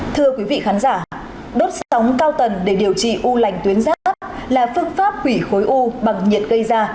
thưa quý vị khán giả đốt sóng cao tần để điều trị u lành tuyến giáp là phương pháp quỷ khối u bằng nhiệt gây ra